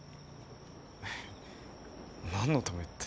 えっ？何のためって。